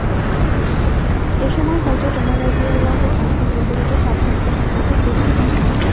এ সময় হযরত ওমর রাযিয়াল্লাহু আনহু প্রহরীদের সাবধানতা সম্পর্কে খোঁজ নিচ্ছিলেন।